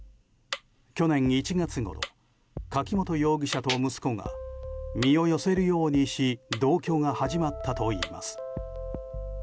去年１月ごろ柿本容疑者と息子が身を寄せるようにし同居が始まったといいます。